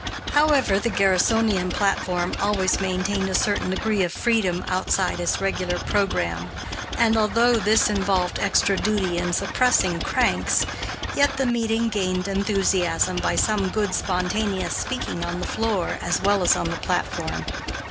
However, the Garrisonian platform always maintained a certain degree of freedom outside its regular programme, and, although this involved extra duty in suppressing cranks, yet the meeting gained enthusiasm by some good spontaneous speaking on the floor as well as on the platform.